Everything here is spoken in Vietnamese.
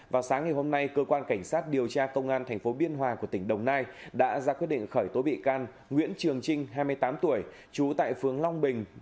vào sáng ngày hôm nay cơ quan cảnh sát điều tra công an thành phố biên hòa của tỉnh đồng nai đã ra quyết định khởi tố bị can nguyễn trường trinh hai mươi tám tuổi